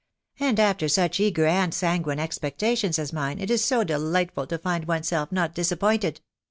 And after suck eager and sanguine expectations as mine, it is so delightful to find oneself not disappointed!''